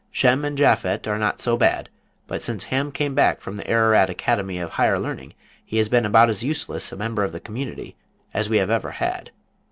Shem and Japhet are not so bad, but since Ham came back from the Ararat Academy of Higher Learning he has been about as useless a member of the community as we have ever had.